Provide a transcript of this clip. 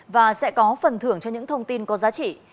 và sẽ có phần thưởng cho những thông tin có giá trị